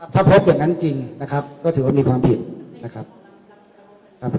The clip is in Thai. ถ้าพบอย่างนั้นจริงนะครับก็ถือว่ามีความผิดนะครับครับ